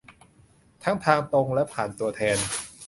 ทั้งทางตรงและผ่านตัวแทน